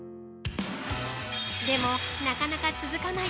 でも、なかなか続かない。